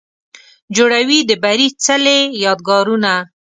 جوړوي د بري څلې، یادګارونه